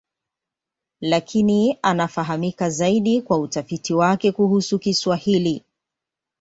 Lakini anafahamika zaidi kwa utafiti wake kuhusu Kiswahili.